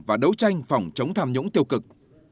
và đấu tranh phòng chống tham nhũng tiêu cực